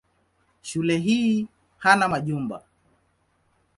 Shule hii hana majumba.